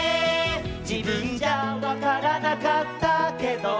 「じぶんじゃわからなかったけど」